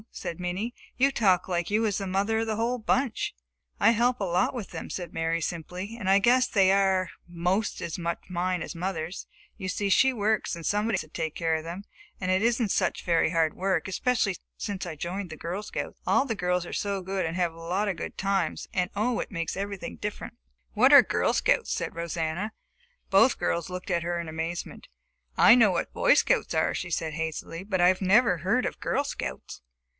said Minnie. "You talk like you was the mother of the whole bunch!" "I help a lot with them," said Mary simply, "and I guess they are 'most as much mine as mother's. You see she works and somebody has to take care of them. And it isn't such very hard work, especially since I joined the Girl Scouts. All the girls are so good, and have such a lot of good times, and oh, it makes everything different!" "What are Girl Scouts?" said Rosanna. Both girls looked at her in amazement. "I know what Boy Scouts are," she said hastily, "but I never heard of Girl Scouts."